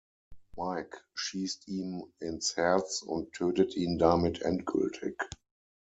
Mike schießt ihm ins Herz und tötet ihn damit endgültig.